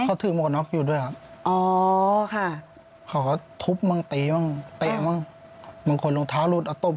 เขาถือหมวกกะน็อกอยู่ด้วยครับ